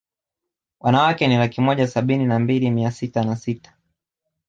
Wanawake ni laki moja sabini na mbili mia sita na sita